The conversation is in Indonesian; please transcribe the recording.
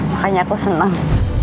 makanya aku seneng